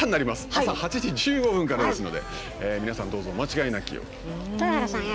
朝８時１５分からですので皆さんどうぞお間違いなきように。